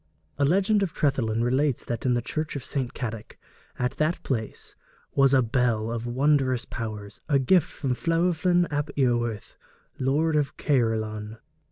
A legend of Trefethin relates that in the church of St. Cadoc, at that place, was a bell of wondrous powers, a gift from Llewellyn ap Iorwerth, Lord of Caerleon.